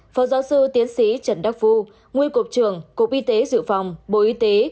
phó giáo sư tiến sĩ trần đắc phu nguyên cục trưởng cục y tế dự phòng bộ y tế